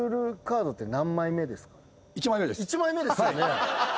１枚目ですよね？